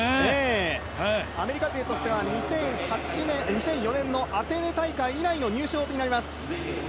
アメリカ勢としては２００４年のアテネ大会以来の入賞となります。